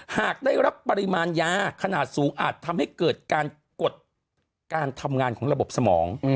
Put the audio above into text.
หากได้รับปริมาณยาขนาดสูงอาจทำให้เกิดการกดการทำงานของระบบสมอง